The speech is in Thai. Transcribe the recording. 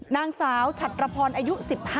นางสาวฉัดระพรอายุ๑๕